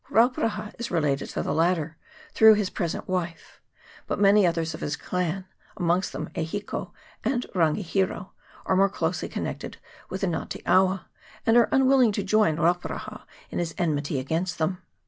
Rauparaha is related to the latter, through his present wife ; but many others of his clan, amongst them E Hiko and Rangihiro, are more closely connected with the Nga te awa, and are unwilling to join Rauparaha in his enmity against them.